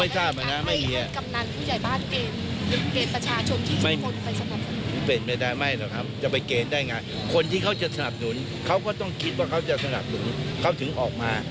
ถ้าเขาจะสนับสนุนเขาถึงออกมา